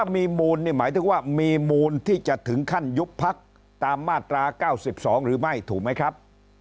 มีมูลนี่หมายถึงว่ามีมูลที่จะถึงขั้นยุบพักตามมาตรา๙๒หรือไม่ถูกไหมครับ